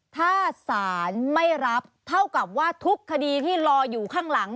ถ้าสารไม่รับเท่ากับว่าทุกคดีที่รออยู่ข้างหลัง